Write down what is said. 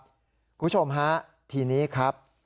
คุณผู้ชมฮะทีนี้ครับ